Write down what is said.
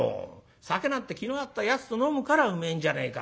酒なんて気の合ったやつと飲むからうめえんじゃねえか